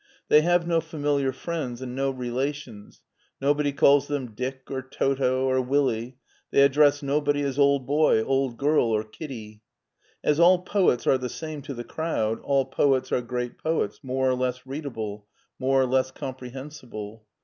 They have no familiar friends and no rela tions; nobody calls them. "Dick, or "Toto," or "Willie"; they address nobody as "old boy,*'" old girl," or "kiddy. As all poets are the same to the crowd, all poets are great poets, more or less readable, more or less comprehensible.